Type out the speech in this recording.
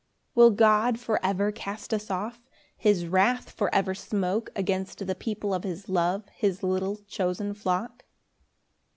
1 Will God for ever cast us off? His wrath for ever smoke Against the people of his love, His little chosen flock?